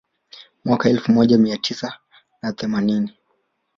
Mwaka wa elfu moja mia tisa na themanini